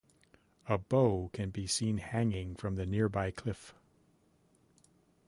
A bow can be seen hanging from the nearby cliff.